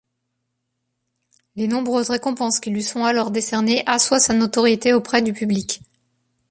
Les nombreuses récompenses qui lui sont alors décernées assoient sa notoriété auprès du public.